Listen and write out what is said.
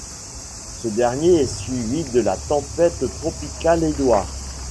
Ce dernier est suivi de la tempête tropicale Edouard.